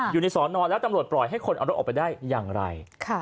อยู่ในสอนอนแล้วตำรวจปล่อยให้คนเอารถออกไปได้อย่างไร